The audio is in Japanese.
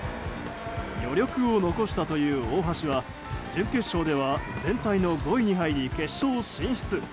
余力を残したという大橋は準決勝では全体の５位に入り決勝進出。